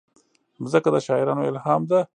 مځکه د شاعرانو الهام ده.